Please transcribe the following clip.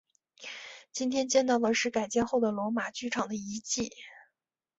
今天见到的是改建后的罗马剧场的遗迹。